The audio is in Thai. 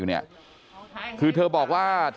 สวัสดีครับคุณผู้ชาย